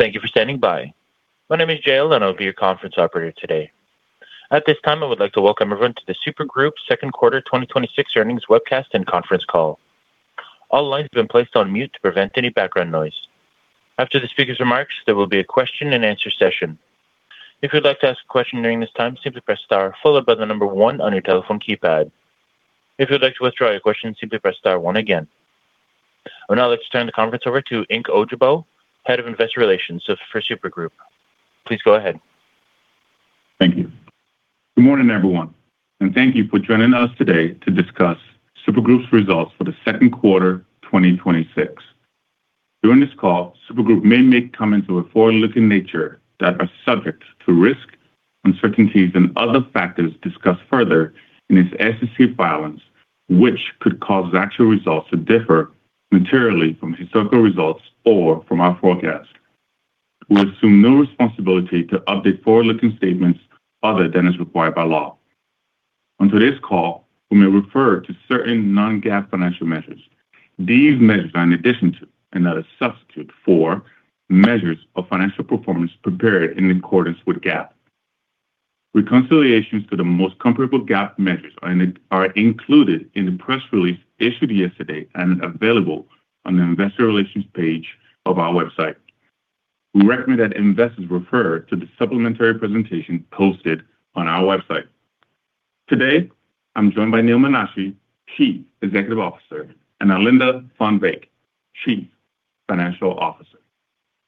Thank you for standing by. My name is Jaylen, I will be your conference operator today. At this time, I would like to welcome everyone to the Super Group second quarter 2026 earnings webcast and conference call. All lines have been placed on mute to prevent any background noise. After the speaker's remarks, there will be a question and answer session. If you would like to ask a question during this time, simply press star followed by the number one on your telephone keypad. If you would like to withdraw your question, simply press star one again. I would now like to turn the conference over to Nkem Ojougboh, Head of Investor Relations for Super Group. Please go ahead. Thank you. Good morning everyone, and thank you for joining us today to discuss Super Group's results for the second quarter 2026. During this call, Super Group may make comments of a forward-looking nature that are subject to risks, uncertainties, and other factors discussed further in its SEC filings. Which could cause actual results to differ materially from historical results or from our forecast. We assume no responsibility to update forward-looking statements other than as required by law. On today's call, we may refer to certain non-GAAP financial measures. These measures are in addition to and not a substitute for measures of financial performance prepared in accordance with GAAP. Reconciliations to the most comparable GAAP measures are included in the press release issued yesterday and available on the investor relations page of our website. Today, I am joined by Neal Menashe, Chief Executive Officer and Alinda van Wyk, Chief Financial Officer.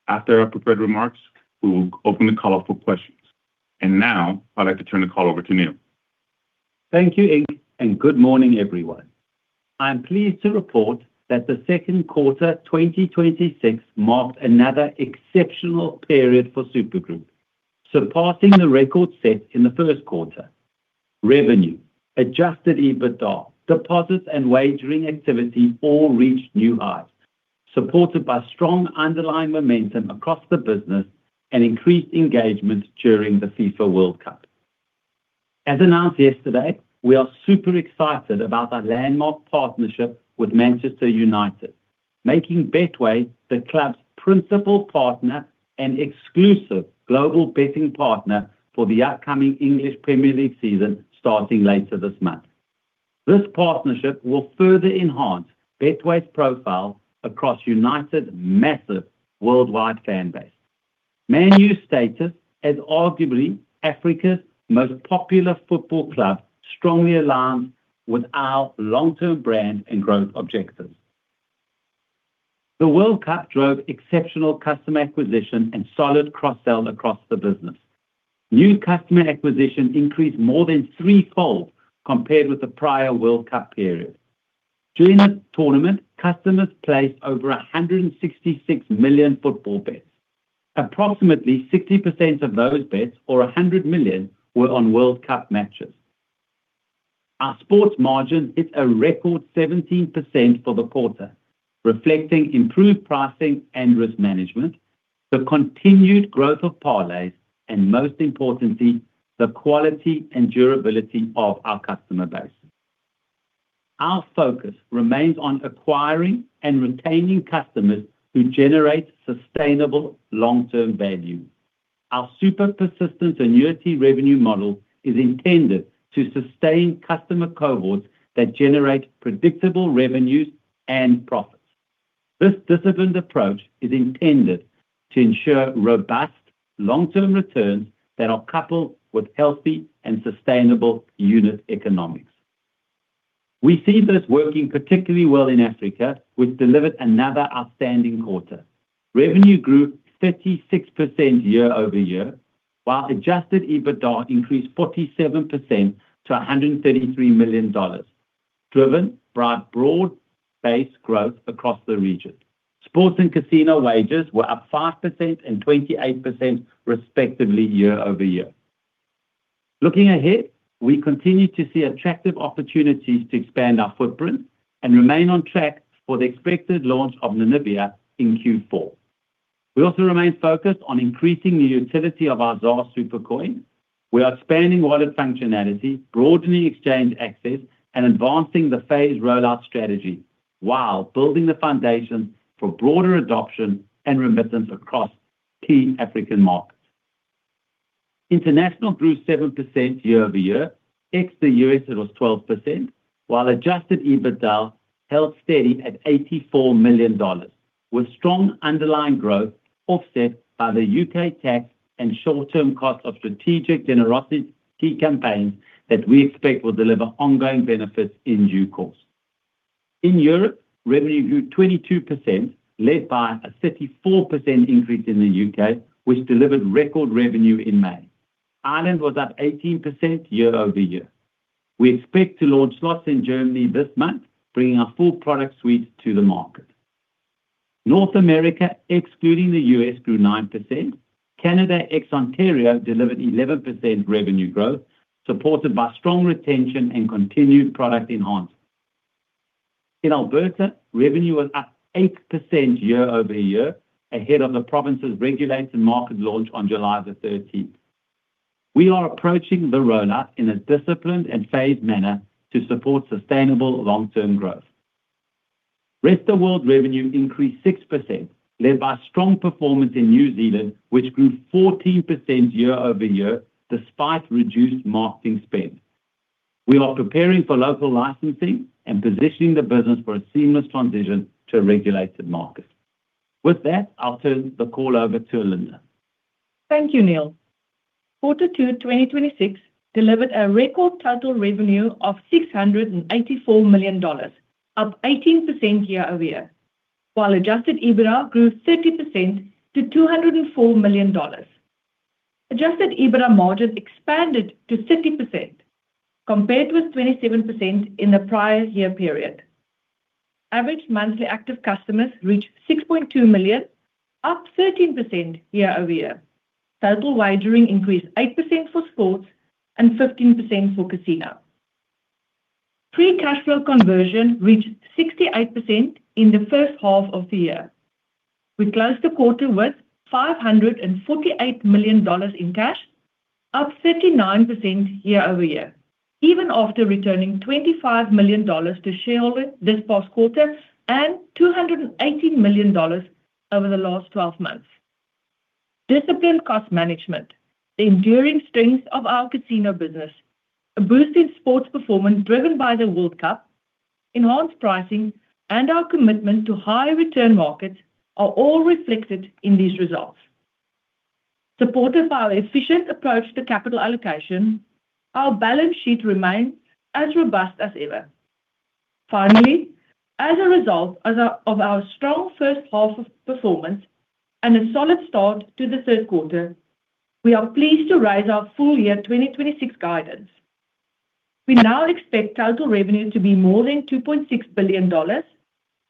After our prepared remarks, we will open the call up for questions. Now I would like to turn the call over to Neal. Thank you, Nkem and good morning, everyone. I am pleased to report that the second quarter 2026 marked another exceptional period for Super Group, surpassing the record set in the first quarter. Revenue adjusted EBITDA, deposits and wagering activity all reached new highs, supported by strong underlying momentum across the business and increased engagement during the FIFA World Cup. As announced yesterday, we are super excited about our landmark partnership with Manchester United, making Betway the club's principal partner and exclusive global betting partner for the upcoming English Premier League season starting later this month. This partnership will further enhance Betway's profile across United's massive worldwide fan base. Man U's status as arguably Africa's most popular football club strongly aligns with our long-term brand and growth objectives. The World Cup drove exceptional customer acquisition and solid cross-sell across the business. New customer acquisition increased more than threefold compared with the prior World Cup period. During the tournament, customers placed over $166 million football bets. Approximately 60% of those bets or $100 million, were on World Cup matches. Our sports margin hit a record 17% for the quarter, reflecting improved pricing and risk management, the continued growth of parlays and most importantly, the quality and durability of our customer base. Our focus remains on acquiring and retaining customers who generate sustainable long-term value. Our super persistent annuity revenue model is intended to sustain customer cohorts that generate predictable revenues and profits. This disciplined approach is intended to ensure robust long-term returns that are coupled with healthy and sustainable unit economics. We see this working particularly well in Africa, which delivered another outstanding quarter. Revenue grew 36% year-over-year, while adjusted EBITDA increased 47% to $133 million, driven by broad-based growth across the region. Sports and casino wagers were up 5% and 28% respectively year-over-year. Looking ahead, we continue to see attractive opportunities to expand our footprint and remain on track for the expected launch of Namibia in Q4. We also remain focused on increasing the utility of our ZAR Supercoin. We are expanding wallet functionality, broadening exchange access, and advancing the phased rollout strategy while building the foundation for broader adoption and remittance across key African markets. International grew 7% year-over-year. Ex the U.S., it was 12%, while adjusted EBITDA held steady at $84 million, with strong underlying growth offset by the U.K. tax and short-term cost of strategic generosity campaigns that we expect will deliver ongoing benefits in due course. In Europe, revenue grew 22%, led by a 34% increase in the U.K., which delivered record revenue in May. Ireland was up 18% year-over-year. We expect to launch slots in Germany this month, bringing our full product suite to the market. North America, excluding the U.S., grew 9%. Canada ex Ontario delivered 11% revenue growth, supported by strong retention and continued product enhancements. In Alberta, revenue was up 8% year-over-year, ahead of the province's regulated market launch on July 13th. We are approaching the rollout in a disciplined and phased manner to support sustainable long-term growth. Rest of World revenue increased 6%, led by strong performance in New Zealand, which grew 14% year-over-year despite reduced marketing spend. We are preparing for local licensing and positioning the business for a seamless transition to a regulated market. With that, I'll turn the call over to Alinda. Thank you, Neal. Quarter two 2026 delivered a record total revenue of $684 million, up 18% year-over-year, while adjusted EBITDA grew 30% to $204 million. Adjusted EBITDA margins expanded to 30%, compared with 27% in the prior year period. Average monthly active customers reached 6.2 million, up 13% year-over-year. Total wagering increased 8% for sports and 15% for casino. Free cash flow conversion reached 68% in the first half of the year. We closed the quarter with $548 million in cash, up 39% year-over-year, even after returning $25 million to shareholders this past quarter and $218 million over the last 12 months. Disciplined cost management, the enduring strength of our casino business, a boost in sports performance driven by the World Cup, enhanced pricing, and our commitment to high return markets are all reflected in these results. Supportive of our efficient approach to capital allocation, our balance sheet remains as robust as ever. As a result of our strong first half of performance and a solid start to the third quarter, we are pleased to raise our full year 2026 guidance. We now expect total revenue to be more than $2.6 billion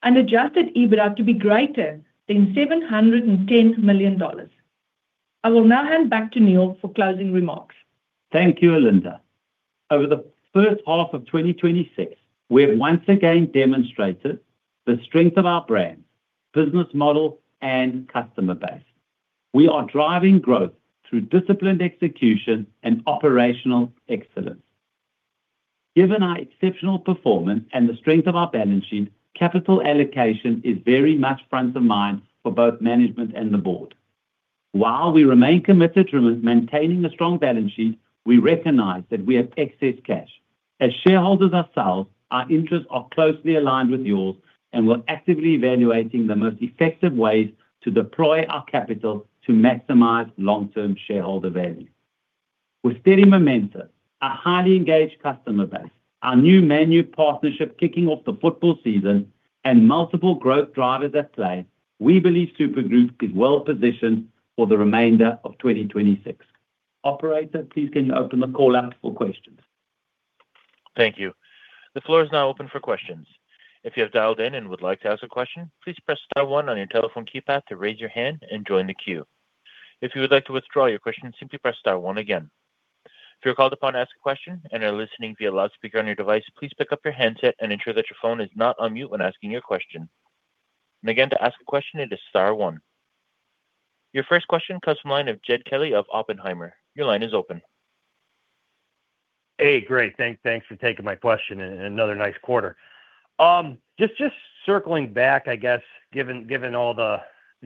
and adjusted EBITDA to be greater than $710 million. I will now hand back to Neal for closing remarks. Thank you, Alinda. Over the first half of 2026, we have once again demonstrated the strength of our brand, business model, and customer base. We are driving growth through disciplined execution and operational excellence. Given our exceptional performance and the strength of our balance sheet, capital allocation is very much front of mind for both management and the board. While we remain committed to maintaining a strong balance sheet, we recognize that we have excess cash. As shareholders ourselves, our interests are closely aligned with yours, we're actively evaluating the most effective ways to deploy our capital to maximize long-term shareholder value. With steady momentum, a highly engaged customer base, our new Man United partnership kicking off the football season, multiple growth drivers at play, we believe Super Group is well-positioned for the remainder of 2026. Operator, please can you open the call up for questions? Thank you. The floor is now open for questions. If you have dialed in and would like to ask a question, please press star one on your telephone keypad to raise your hand and join the queue. If you would like to withdraw your question simply press star one again. If you're called upon to ask a question and are listening via loudspeaker on your device, please pick up your handset and ensure that your phone is not on mute when asking your question. Again, to ask a question, it is star one. Your first question comes from the line of Jed Kelly of Oppenheimer. Your line is open. Hey, great. Thanks for taking my question, another nice quarter. Just circling back, I guess given all the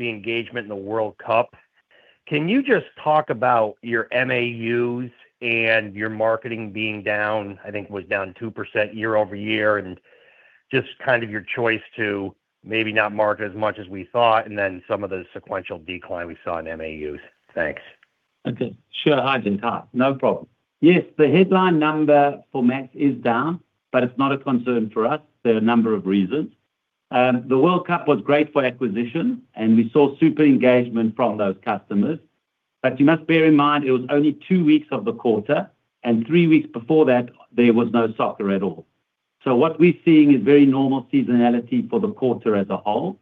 engagement in the World Cup, can you just talk about your MAUs, your marketing being down, I think it was down 2% year-over-year, just kind of your choice to maybe not market as much as we thought, then some of the sequential decline we saw in MAUs. Thanks. Okay. Sure. Hi, Jed. No problem. The headline number for MAUs is down, but it's not a concern for us. There are a number of reasons. The World Cup was great for acquisition, and we saw super engagement from those customers. You must bear in mind it was only two weeks of the quarter, and three weeks before that, there was no soccer at all. What we're seeing is very normal seasonality for the quarter as a whole.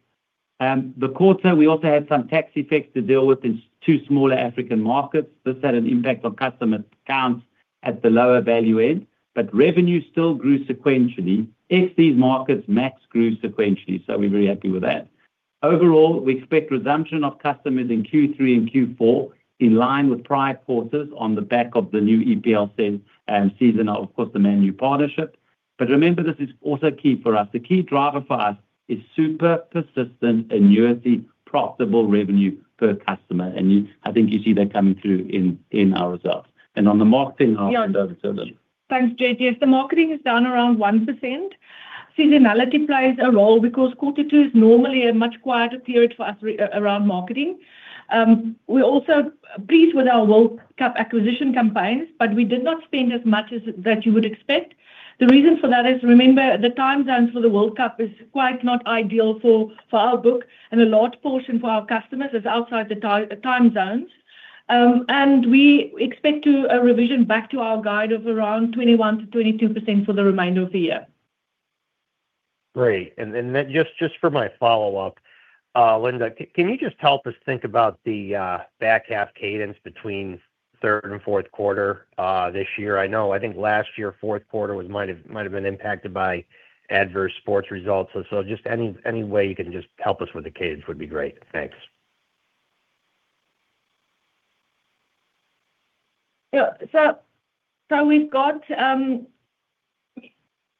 The quarter, we also had some tax effects to deal with in two smaller African markets. This had an impact on customer counts at the lower value end, but revenue still grew sequentially. Focus Markets mix grew sequentially, we're very happy with that. Overall, we expect resumption of customers in Q3 and Q4 in line with prior quarters on the back of the new EPL season. Of course, the Man United partnership. Remember, this is also key for us. The key driver for us is super persistent and ARPU profitable revenue per customer, I think you see that coming through in our results. On the marketing half. I'll hand over to Alinda. Thanks, Jed. The marketing is down around 1%. Seasonality plays a role because Quarter two is normally a much quieter period for us around marketing. We're also pleased with our World Cup acquisition campaigns, we did not spend as much as you would expect. The reason for that is, remember, the time zone for the World Cup is quite not ideal for our book a large portion for our customers is outside the time zones. We expect to revision back to our guide of around 21%-22% for the remainder of the year. Great. Just for my follow-up, Alinda, can you just help us think about the back half cadence between third and fourth quarter this year? I know, I think last year, fourth quarter might have been impacted by adverse sports results. Just any way you can just help us with the cadence would be great. Thanks. Yeah.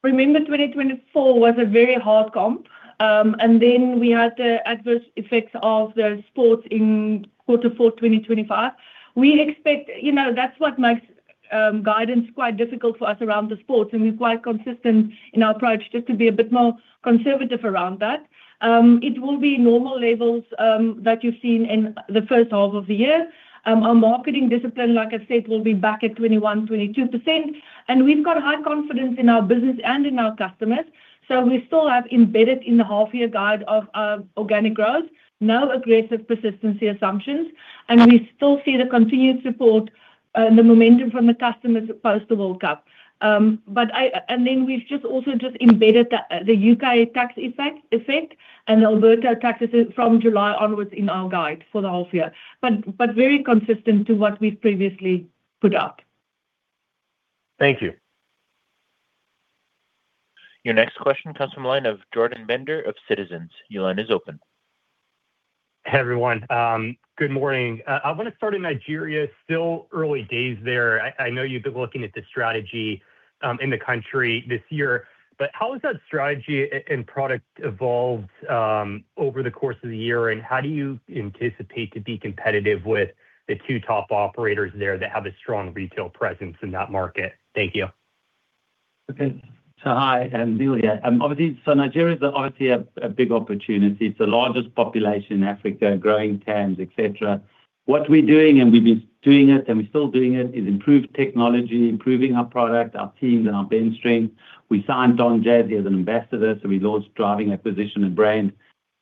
Remember, 2024 was a very hard comp. Then we had the adverse effects of the sports in quarter four 2025. We expect, that's what makes guidance quite difficult for us around the sports, and we're quite consistent in our approach just to be a bit more conservative around that. It will be normal levels that you've seen in the first half of the year. Our marketing discipline. Like I said, will be back at 21%-22%, and we've got high confidence in our business and in our customers. We still have embedded in the half year guide of organic growth no aggressive persistency assumptions. We still see the continued support and the momentum from the customers post the World Cup. Then we've just also just embedded the U.K. tax effect and Alberta tax from July onwards in our guide for the half year. Very consistent to what we've previously put up. Thank you. Your next question comes from the line of Jordan Bender of Citizens. Your line is open. Hey, everyone. Good morning. I want to start in Nigeria. Still early days there. I know you've been looking at the strategy in the country this year. How has that strategy and product evolved over the course of the year, and how do you anticipate to be competitive with the two top operators there that have a strong retail presence in that market? Thank you. Okay. Hi, Neal here. Obviously, Nigeria is obviously a big opportunity. It's the largest population in Africa growing terms et cetera. What we're doing, and we've been doing it and we're still doing it is improve technology, improving our product, our teams and our bench strength. We signed Don Jazzy as an ambassador, we launched driving acquisition and brand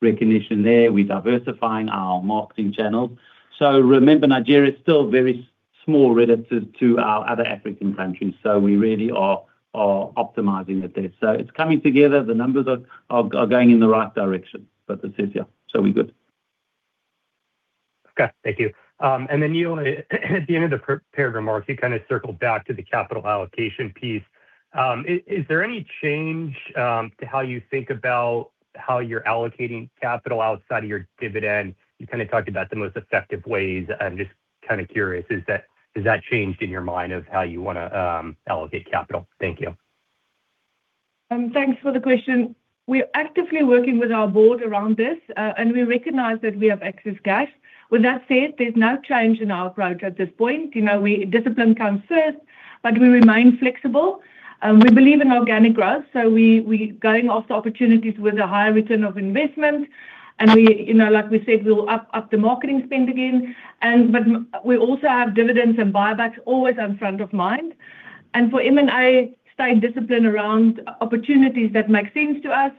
recognition there. We're diversifying our marketing channels. Remember, Nigeria is still very small relative to our other African countries. We really are optimizing it there. It's coming together. The numbers are going in the right direction. This is, yeah. We good. Okay. Thank you. Neal, at the end of the prepared remarks, you kind of circled back to the capital allocation piece. Is there any change to how you think about how you're allocating capital outside of your dividend? You kind of talked about the most effective ways. I'm just kind of curious, has that changed in your mind of how you want to allocate capital? Thank you. Thanks for the question. We are actively working with our board around this, and we recognize that we have excess cash. With that said, there's no change in our approach at this point. Discipline comes first, but we remain flexible. We believe in organic growth, so we going after opportunities with a higher return of investment. We, like we said, we'll up the marketing spend again. We also have dividends and buybacks always on front of mind. For M&A, stay disciplined around opportunities that make sense to us.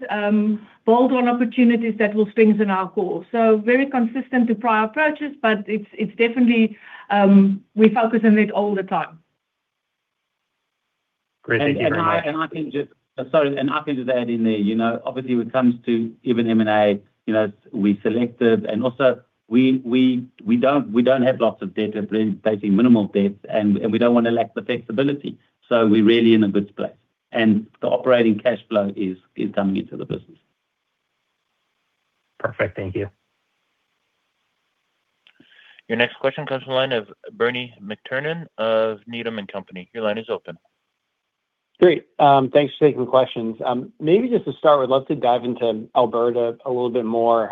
Bold on opportunities that will strengthen our core. Very consistent to prior approaches, but it's definitely. We focus on it all the time. Great. Thank you very much. I can just add in there. Obviously when it comes to even M&A, we selected and also we don't have lots of debt. We're placing minimal debt. We don't want to lack the flexibility. We're really in a good place. The operating cash flow is coming into the business. Perfect. Thank you. Your next question comes from the line of Bernie McTernan of Needham. Your line is open. Great. Thanks for taking questions. Maybe just to start, would love to dive into Alberta a little bit more.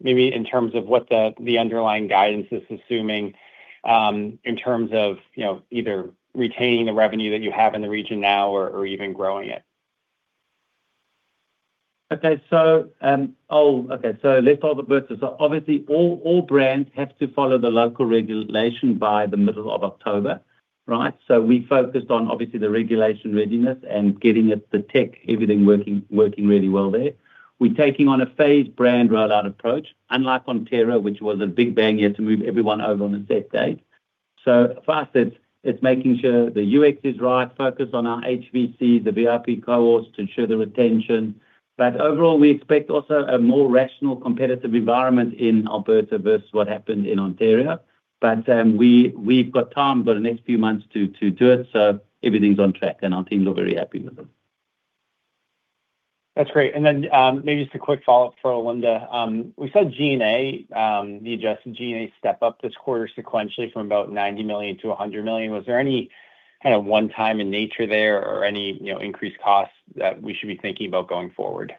Maybe in terms of what the underlying guidance is assuming, in terms of either retaining the revenue that you have in the region now or even growing it. Let's talk Alberta. Obviously all brands have to follow the local regulation by the middle of October, right? We focused on obviously the regulation readiness and getting the tech, everything working really well there. We're taking on a phased brand rollout approach unlike Ontario. Which was a big bang, you had to move everyone over on a set date. For us, it's making sure the UX is right, focus on our HVC, the VIP cohorts to ensure the retention. Overall, we expect also a more rational competitive environment in Alberta versus what happened in Ontario. We've got time. Got the next few months to do it. Everything's on track, and our teams are very happy with it. That's great. Maybe just a quick follow-up for [Ainda]. We saw G&A, the adjusted G&A step-up this quarter sequentially from about $90 million to $100 million. Was there any kind of one time in nature there or any increased costs that we should be thinking about going forward?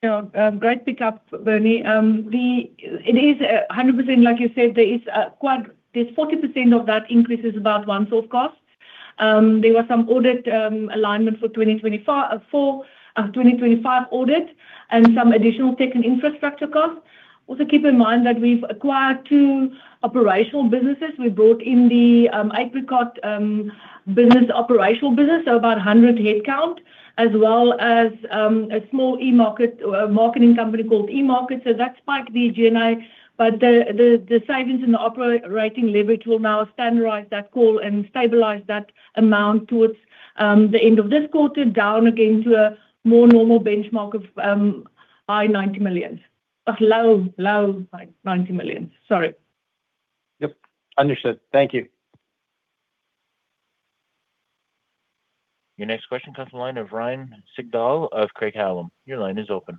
Great pick-up, Bernie. It is 100% like you said. There's 40% of that increase is about once off costs. There were some audit alignment for 2025 audit and some additional tech and infrastructure costs. Also, keep in mind that we've acquired two operational businesses. We brought in the Apricot operational business, so about 100 headcount, as well as a small marketing company called E-Market. That spiked the G&A. The savings in the operating leverage will now standardize that call and stabilize that amount towards the end of this quarter, down again to a more normal benchmark of high $90 million. Low $90 million, sorry. Yep. Understood. Thank you. Your next question comes from the line of Ryan Sigdahl of Craig-Hallum. Your line is open.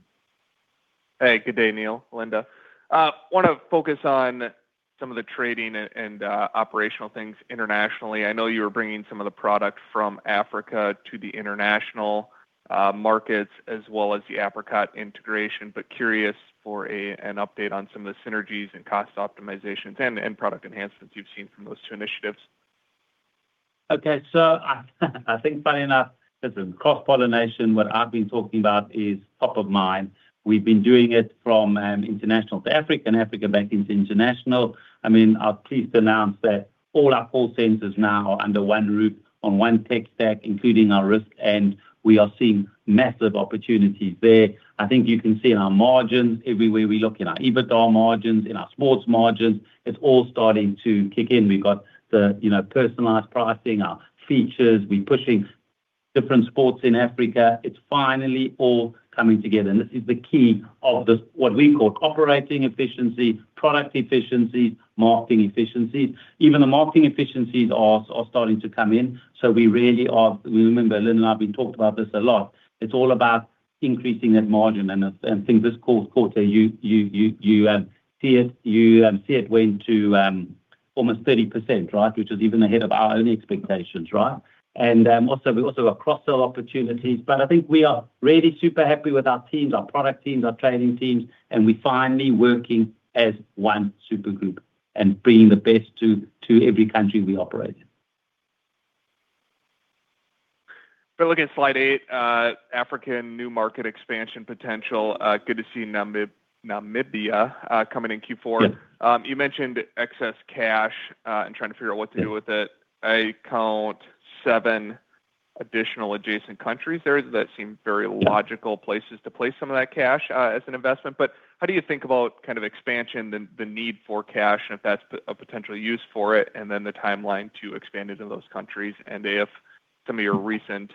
Hey, good day, Neal, Alinda. I want to focus on some of the trading and operational things internationally. I know you were bringing some of the product from Africa to the international markets as well as the Apricot integration, curious for an update on some of the synergies and cost optimizations and product enhancements you've seen from those two initiatives. Okay. I think funny enough, there's some cross-pollination. What I've been talking about is top of mind. We've been doing it from international to Africa and Africa back into international. I've pleased to announce that all our call centers now are under one roof on one tech stack. Including our risk. We are seeing massive opportunities there. I think you can see in our margins everywhere we look, in our EBITDA margins, in our sports margins. It's all starting to kick in. We've got the personalized pricing, our features. We're pushing different sports in Africa. It's finally all coming together. This is the key of this, what we call cooperating efficiency, product efficiencies, marketing efficiencies. Even the marketing efficiencies are starting to come in. Remember, Alinda and I've been talking about this a lot. It's all about increasing that margin I think this quarter, you see it went to almost 30%, right? Which is even ahead of our own expectations, right? We also got cross-sell opportunities, but I think we are really super happy with our teams, our product teams, our trading teams, and we finally working as one Super Group and bringing the best to every country we operate in. If I look at slide eight, African new market expansion potential. Good to see Namibia coming in Q4. You mentioned excess cash, and trying to figure out what to do with it. I count seven additional adjacent countries there that seem very logical places to place some of that cash as an investment. How do you think about expansion, the need for cash, and if that's a potential use for it, and then the timeline to expand into those countries, and if some of your recent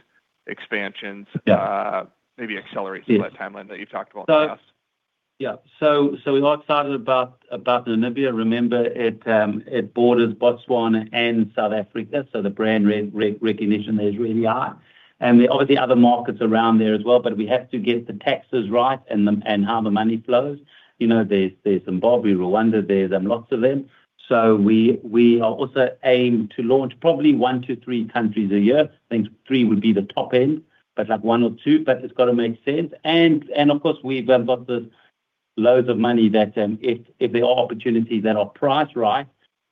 expansions. Yeah Maybe accelerates some of that timeline that you've talked about in the past. We got started about Namibia, remember it borders Botswana and South Africa, so the brand recognition there is really high. There are obviously other markets around there as well, but we have to get the taxes right and how the money flows. There's Zimbabwe, Rwanda there's lots of them. We are also aimed to launch probably one to three countries a year. I think three would be the top end, but like one or two, but it's got to make sense. Of course, we've got the loads of money that, if there are opportunities that are priced right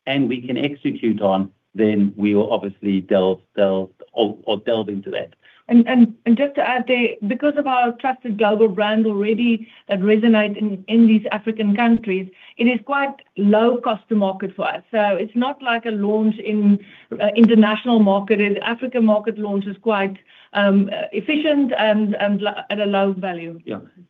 and we can execute on then we will obviously delve into that. Just to add there, because of our trusted global brand already that resonate in these African countries, it is quite low cost to market for us. It's not like a launch in international market. In African market, launch is quite efficient and at a low value.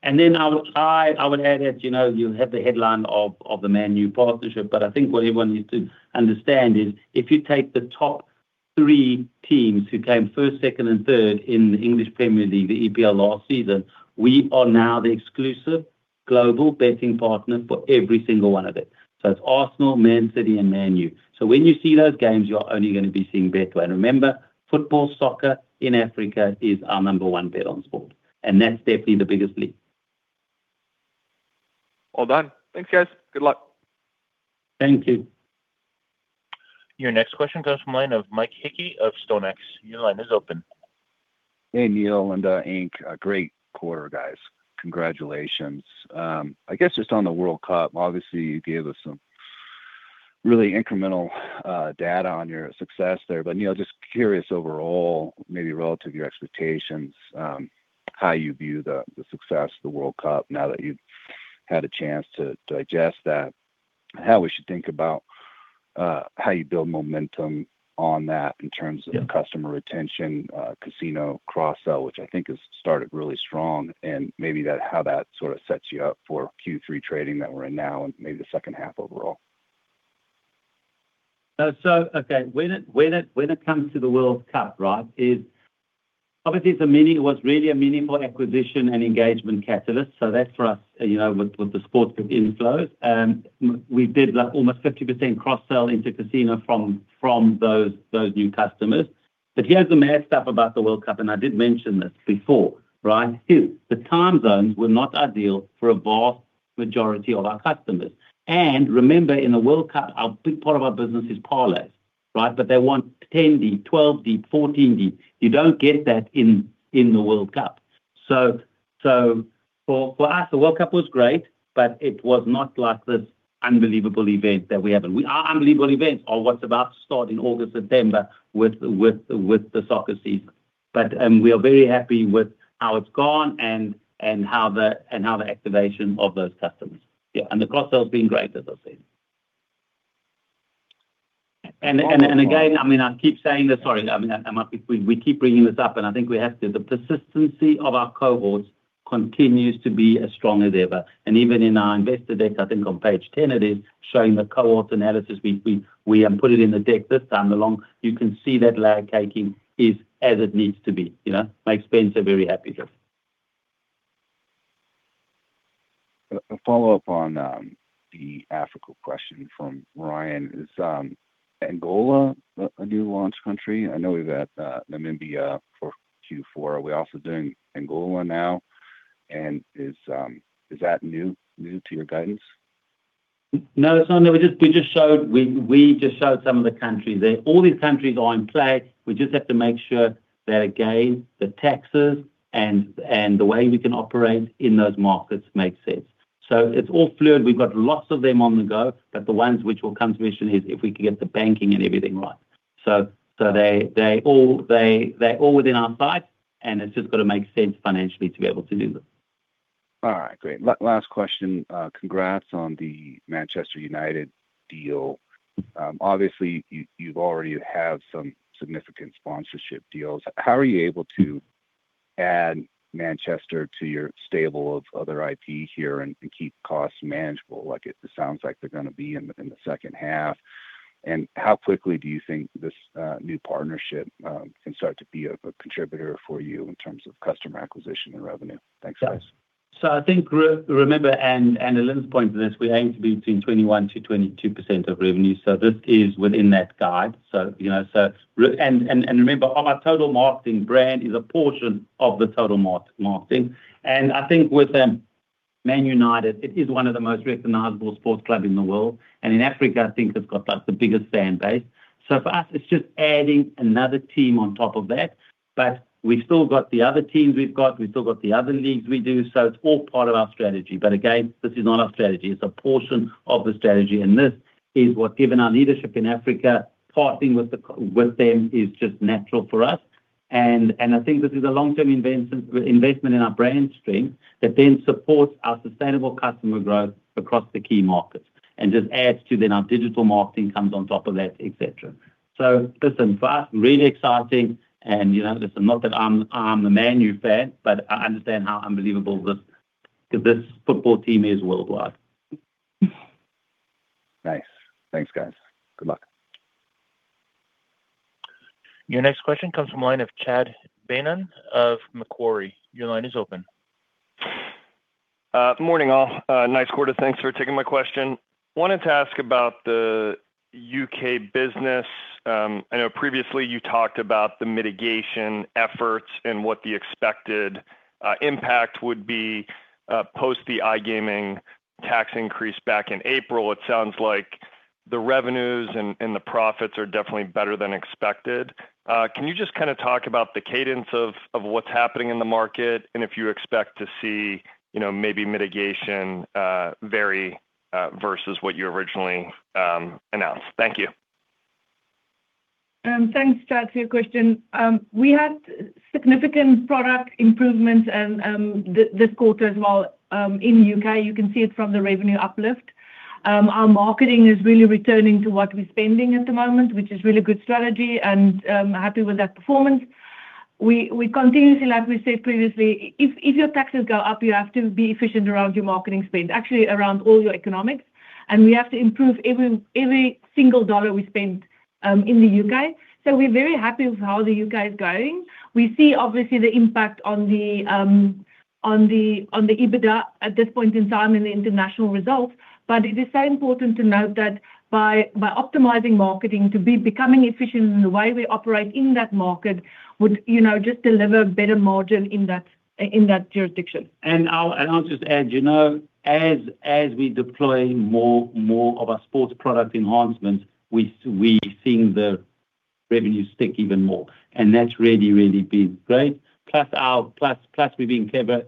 I would add that you have the headline of the Man United partnership, but I think what everyone needs to understand is if you take the top three teams who came first, second, and third in the English Premier League, the EPL last season. We are now the exclusive global betting partner for every single one of it. It's Arsenal, Man City, and Man United. When you see those games, you are only going to be seeing Betway. Remember, football soccer in Africa is our number one bet on sport and that's definitely the biggest league. All done. Thanks, guys. Good luck. Thank you. Your next question comes from the line of Mike Hickey of StoneX. Your line is open. Hey, Neal, Alinda, Nkem Ojougboh. A great quarter guys. Congratulations. I guess just on the World Cup, obviously you gave us some really incremental data on your success there. Neal, just curious overall maybe relative to your expectations, how you view the success of the World Cup now that you've had a chance to digest that, and how we should think about how you build momentum on that in terms of customer retention, casino cross-sell, which I think has started really strong. And maybe how that sort of sets you up for Q3 trading that we're in now and maybe the second half overall. Okay. When it comes to the World Cup, right. Obviously it was really a meaningful acquisition and engagement catalyst. That's for us, with the sportsbook inflows, we did like almost 50% cross-sell into casino from those new customers. Here's the mad stuff about the World Cup. And I did mention this before, right? Two, the time zones were not ideal for a vast majority of our customers. Remember, in the World Cup a big part of our business is parlays, right? They want 10D, 12D, 14D. You don't get that in the World Cup. For us, the World Cup was great, it was not like this unbelievable event. Our unbelievable event are what's about to start in August, September with the soccer season. We are very happy with how it's gone and how the activation of those customers. Yeah. The cross-sell has been great, as I said. Again, I keep saying this Sorry, we keep bringing this up. I think we have to. The persistency of our cohorts continues to be as strong as ever. Even in our investor deck, I think on page 10 it is, showing the cohorts analysis. We put it in the deck this time along. You can see that layer caking is as it needs to be. Makes Spencer very happy, Jeff. A follow-up on the Africa question from Ryan. Is Angola a new launch country? I know we've had Namibia for Q4. Are we also doing Angola now, is that new to your guidance? No, it's not. We just showed some of the countries there. All these countries are in play. We just have to make sure that, again, the taxes and the way we can operate in those markets make sense. It's all fluid. We've got lots of them on the go, the ones which will come to vision is if we can get the banking and everything right. They're all within our sight, it's just got to make sense financially to be able to do them. All right, great. Last question. Congrats on the Manchester United deal. Obviously, you already have some significant sponsorship deals. How are you able to add Manchester to your stable of other IP here keep costs manageable? It sounds like they're going to be in the second half. How quickly do you think this new partnership can start to be a contributor for you in terms of customer acquisition and revenue? Thanks, guys. I think, remember Alinda point is this, we aim to be between 21%-22% of revenue. This is within that guide. Remember, on our total marketing brand is a portion of the total marketing. I think with Man United, it is one of the most recognizable sports club in the world. In Africa, I think it's got the biggest fan base. For us, it's just adding another team on top of that. We've still got the other teams we've got. We've still got the other leagues we do. It's all part of our strategy. Again, this is not our strategy. It's a portion of the strategy. This is what, given our leadership in Africa, partnering with them is just natural for us. I think this is a long-term investment in our brand strength that then supports our sustainable customer growth across the key markets and just adds to then our digital marketing comes on top of that, et cetera. Listen, for us really exciting, not that I'm a Man United fan, but I understand how unbelievable this football team is worldwide. Nice. Thanks, guys. Good luck. Your next question comes from the line of Chad Beynon of Macquarie. Your line is open. Morning, all. Nice quarter. Thanks for taking my question. Wanted to ask about the U.K. business. I know previously you talked about the mitigation efforts and what the expected impact would be post the iGaming tax increase back in April. It sounds like the revenues and the profits are definitely better than expected. Can you just talk about the cadence of what's happening in the market and if you expect to see maybe mitigation vary versus what you originally announced? Thank you. Thanks, Chad, for your question. We had significant product improvements this quarter as well in U.K. You can see it from the revenue uplift. Our marketing is really returning to what we're spending at the moment. Which is really good strategy, and I'm happy with that performance. We continuously, like we said previously, if your taxes go up you have to be efficient around your marketing spend actually, around all your economics. We have to improve every single dollar we spend in the U.K. We're very happy with how the U.K. is going. We see, obviously, the impact on the EBITDA at this point in time in the international results. It is so important to note that by optimizing marketing to be becoming efficient in the way we operate in that market would just deliver better margin in that jurisdiction. I'll just add, as we deploy more of our sports product enhancements, we're seeing the revenues stick even more. That's really been great. Plus, we're being clever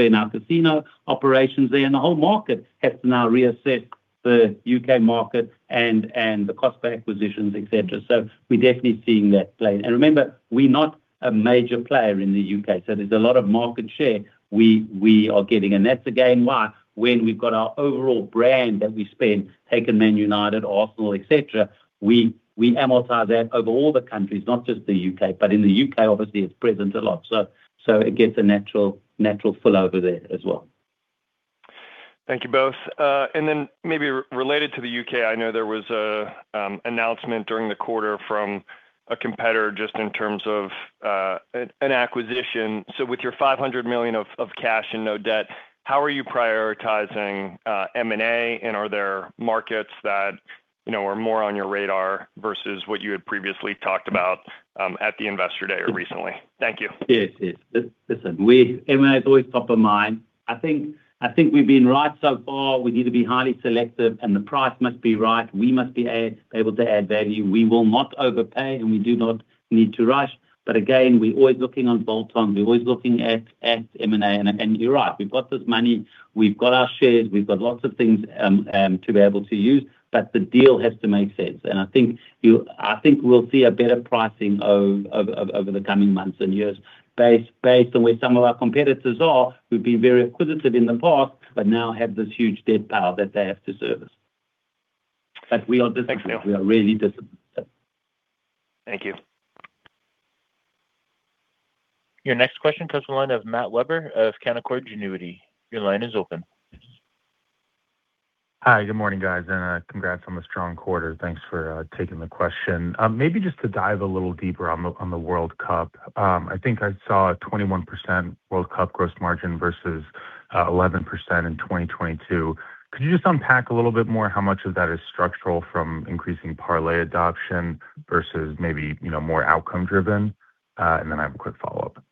in our casino operations there, and the whole market has now reassessed the U.K. market and the cost of acquisitions, et cetera. We're definitely seeing that play. Remember, we're not a major player in the U.K. There's a lot of market share we are getting. That's again why when we've got our overall brand that we spend taking Man United, Arsenal, et cetera, we amortize that over all the countries not just the U.K. In the U.K., obviously, it's present a lot. It gets a natural spillover there as well. Thank you both. Then maybe related to the U.K., I know there was an announcement during the quarter from a competitor just in terms of an acquisition. With your $500 million of cash and no debt, how are you prioritizing M&A, and are there markets that are more on your radar versus what you had previously talked about at the Investor Day or recently? Thank you. Yes. Listen, M&A is always top of mind. I think we've been right so far. We need to be highly selective, and the price must be right. We must be able to add value. We will not overpay, and we do not need to rush. Again, we're always looking on bolt-on, we're always looking at M&A. You're right, we've got this money, we've got our shares, we've got lots of things to be able to use, but the deal has to make sense. I think we'll see a better pricing over the coming months and years based on where some of our competitors are, who've been very acquisitive in the past, but now have this huge debt pile that they have to service. We are disciplined. Thanks, Neal. We are really disciplined. Thank you. Your next question comes from the line of Matt Weber of Canaccord Genuity. Your line is open. Hi, good morning, guys. Congrats on the strong quarter. Thanks for taking the question. Maybe just to dive a little deeper on the World Cup. I think I saw a 21% World Cup gross margin versus 11% in 2022. Could you just unpack a little bit more how much of that is structural from increasing parlay adoption versus maybe more outcome driven? I have a quick follow-up.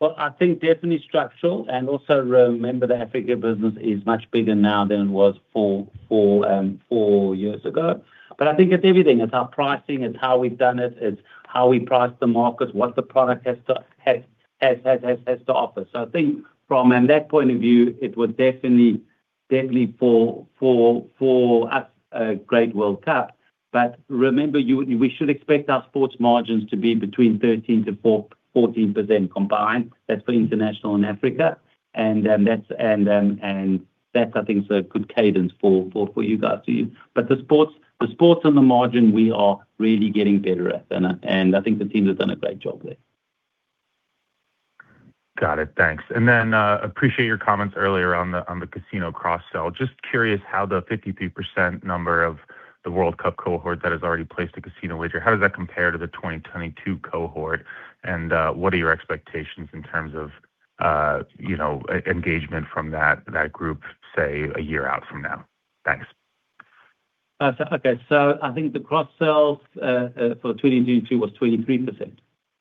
Well, I think definitely structural. Also remember the Africa business is much bigger now than it was four years ago. I think it's everything. It's our pricing, it's how we've done it's how we price the markets, what the product has to offer. I think from that point of view, it was definitely for us, a great World Cup. Remember, we should expect our sports margins to be between 13% to 14% combined. That's for International and Africa. That's, I think, is a good cadence for you guys. The sports and the margin, we are really getting better at, and I think the team has done a great job there. Got it. Thanks. Appreciate your comments earlier on the casino cross-sell. Just curious how the 53% number of the World Cup cohort that has already placed a casino wager, how does that compare to the 2022 cohort, what are your expectations in terms of engagement from that group, say a year out from now? Thanks. I think the cross-sells for 2022 was 23%.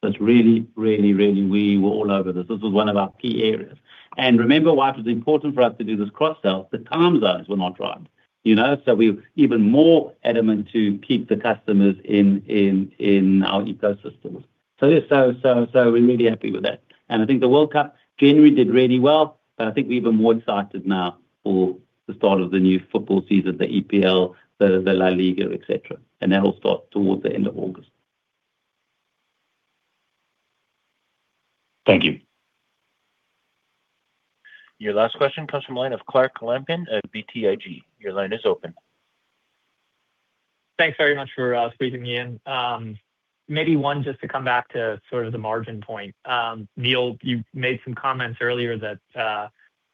It's really, we were all over this. This was one of our key areas. Remember why it was important for us to do this cross-sell, the time zones were not right. We were even more adamant to keep the customers in our ecosystems. Yes, we're really happy with that. I think the World Cup generally did really well, but I think we're even more excited now for the start of the new football season, the EPL, the La Liga, et cetera that will start towards the end of August. Thank you. Your last question comes from the line of Clark Lampen at BTIG. Your line is open. Thanks very much for squeezing me in. One just to come back to sort of the margin point. Neal, you made some comments earlier that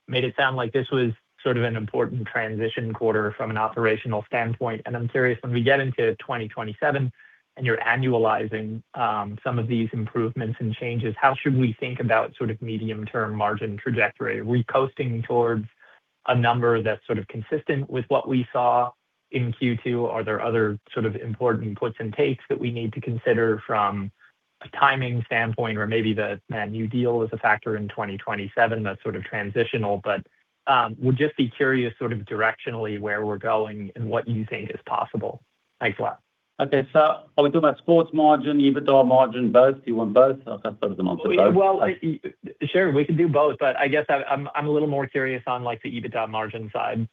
made it sound like this was sort of an important transition quarter from an operational standpoint. I'm curious when we get into 2027, you're annualizing some of these improvements and changes, how should we think about sort of medium-term margin trajectory? Are we coasting towards a number that's sort of consistent with what we saw in Q2? Are there other sort of important puts and takes that we need to consider from a timing standpoint or maybe the new deal is a factor in 2027 that's sort of transitional. Would just be curious sort of directionally where we're going and what you think is possible. Thanks a lot. Okay, I will do my sports margin, EBITDA margin both. You want both? Okay, I'll touch them on both. Sure, we can do both, I guess I'm a little more curious on the EBITDA margin side.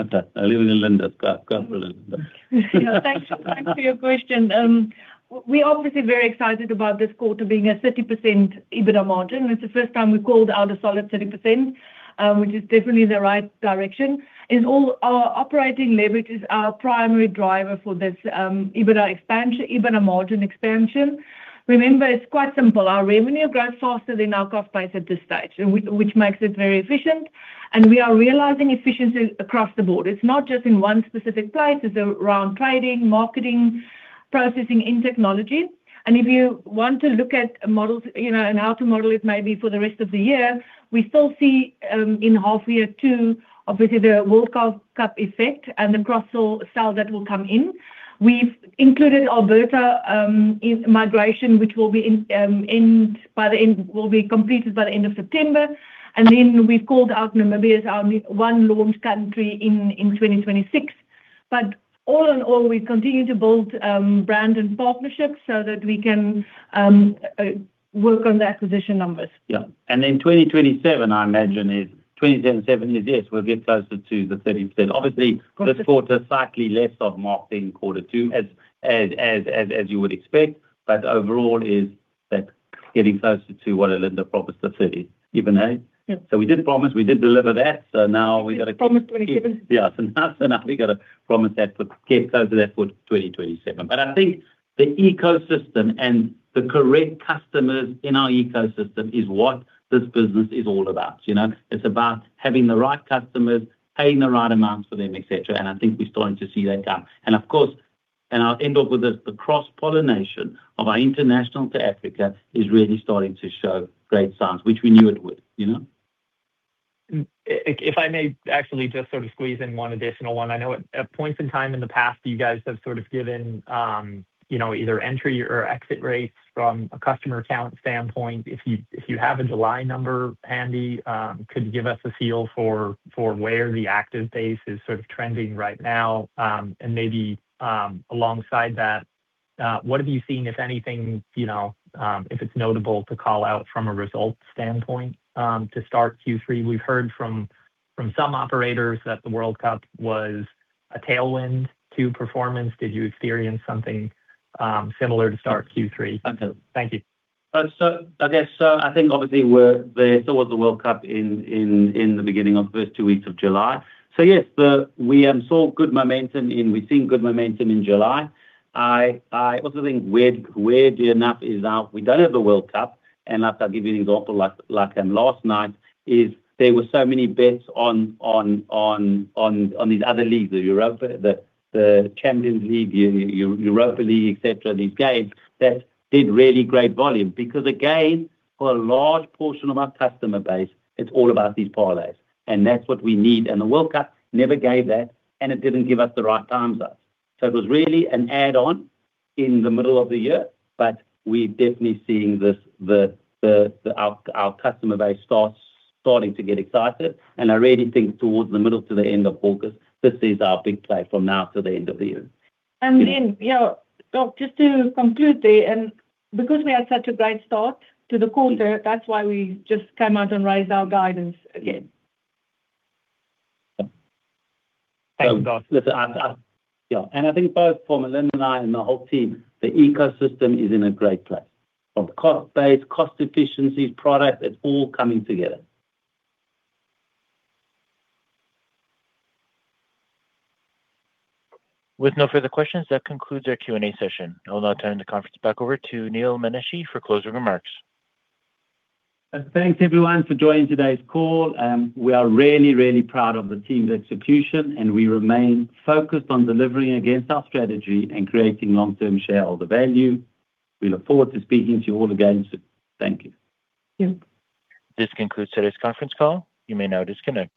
Okay. I'll leave it to Alinda. Go for it, Alinda. Thanks for your question. We're obviously very excited about this quarter being a 30% EBITDA margin. It's the first time we've called out a solid 30%, which is definitely the right direction. All our operating leverage is our primary driver for this EBITDA expansion, EBITDA margin expansion. Remember, it's quite simple. Our revenue grows faster than our cost base at this stage, which makes it very efficient, and we are realizing efficiencies across the board. It's not just in one specific place, it's around trading, marketing, processing, in technology. If you want to look at models and how to model it maybe for the rest of the year, we still see in half year two, obviously, the World Cup effect and the cross-sell that will come in. We've included our Apricot migration, which will be completed by the end of September. We've called out Namibia as our one launch country in 2026. All in all, we continue to build brand and partnerships so that we can work on the acquisition numbers. In 2027 is yes, we'll get closer to the 30%. Obviously, this quarter slightly less of margin in quarter two, as you would expect. Overall, is that getting closer to what Linda promised, the 30% EBITDA? We did promise, we did deliver that. Now we got to. We promised 2027. Yes. Now we got to promise that, keep closer to that for 2027. I think the ecosystem and the correct customers in our ecosystem is what this business is all about. It's about having the right customers, paying the right amounts for them, et cetera. And I think we're starting to see that now. Of course, and I'll end off with this, the cross-pollination of our International to Africa is really starting to show great signs, which we knew it would. If I may actually just sort of squeeze in one additional one. I know at points in time in the past, you guys have sort of given either entry or exit rates from a customer account standpoint. If you have a July number handy, could you give us a feel for where the active base is sort of trending right now? Maybe alongside that, what have you seen if anything. If it's notable to call out from a results standpoint to start Q3? We've heard from some operators that the World Cup was a tailwind to performance. Did you experience something similar to start Q3? Okay. Thank you. I guess, I think obviously there still was the World Cup in the beginning of the first two weeks of July. Yes, we saw good momentum in, we're seeing good momentum in July. I also think where we are now, we don't have the World Cup, and I'll give you an example like last night is there were so many bets on these other leagues, the Champions League, Europa League, et cetera. These games that did really great volume because again, for a large portion of our customer base, it's all about these parlays and that's what we need. The World Cup never gave that, and it didn't give us the right time zone. It was really an add-on in the middle of the year, but we're definitely seeing our customer base starting to get excited, and I really think towards the middle to the end of August, this is our big play from now till the end of the year. Yeah, just to conclude there. Because we had such a great start to the quarter, that's why we just came out and raised our guidance again. Yeah. I think both for Alinda and I, and the whole team the ecosystem is in a great place. From cost base, cost efficiencies, product, it's all coming together. With no further questions, that concludes our Q&A session. I will now turn the conference back over to Neal Menashe for closing remarks. Thanks everyone for joining today's call. We are really, really proud of the team's execution, and we remain focused on delivering against our strategy and creating long-term shareholder value. We look forward to speaking to you all again soon. Thank you. Yeah. This concludes today's conference call. You may now disconnect.